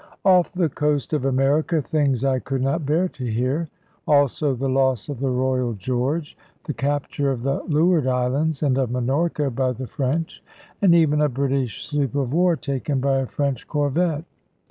Off the coast of America, things I could not bear to hear; also the loss of the Royal George, the capture of the Leeward Islands, and of Minorca by the French; and even a British sloop of war taken by a French corvette.